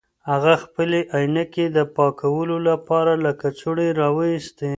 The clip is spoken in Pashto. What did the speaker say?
هغه خپلې عینکې د پاکولو لپاره له کڅوړې راویستې.